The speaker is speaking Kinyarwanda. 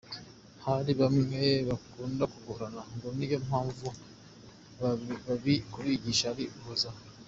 hari bamwe mu bakunda kugorana ngo niyo mpamvu kubigisha ari uguhozaho.